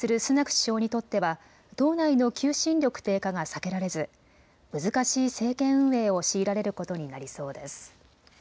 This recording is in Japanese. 首相にとっては党内の求心力低下が避けられず難しい政権運営を強いられることになりそうです。